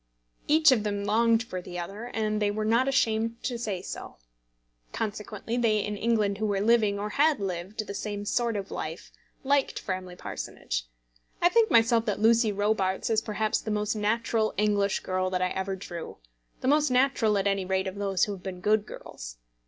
Each of them longed for the other, and they were not ashamed to say so. Consequently they in England who were living, or had lived, the same sort of life, liked Framley Parsonage. I think myself that Lucy Robarts is perhaps the most natural English girl that I ever drew, the most natural, at any rate, of those who have been good girls.